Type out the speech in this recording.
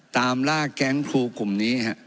ตามล่าแก๊งครูกลุ่มนี้